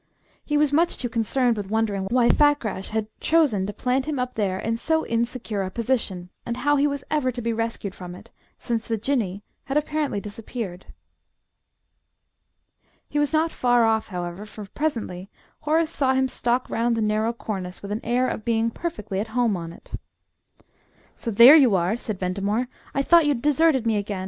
He was much too concerned with wondering why Fakrash had chosen to plant him up there in so insecure a position, and how he was ever to be rescued from it, since the Jinnee had apparently disappeared. He was not far off, however, for presently Horace saw him stalk round the narrow cornice with an air of being perfectly at home on it. "So there you are!" said Ventimore; "I thought you'd deserted me again.